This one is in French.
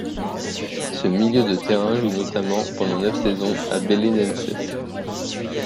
Ce milieu de terrain joue notamment pendant neuf saisons à Belenenses.